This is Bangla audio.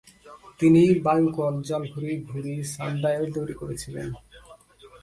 তিনি বায়ুকল, জল-ঘড়ি, ঘুড়ি এবং সান-ডায়াল তৈরি করেছিলেন।